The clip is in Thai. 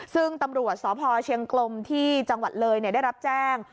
ซึ่งตำรวจสพเชียงกลมที่จังหวัดเลยได้รับแจ้ง